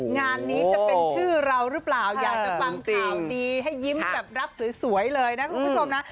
งานนี้จะเป็นชื่อเราหรือเปล่าอยากจะฟังข่าวดีให้ยิ้มแบบรับสวยเลยนะคุณผู้ชมนะ